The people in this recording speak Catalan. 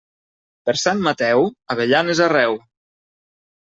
Per Sant Mateu, avellanes arreu.